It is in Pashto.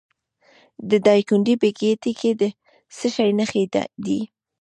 د دایکنډي په ګیتي کې د څه شي نښې دي؟